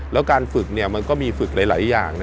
แล้วการฝึกมันก็มีฝึกหลายอย่าง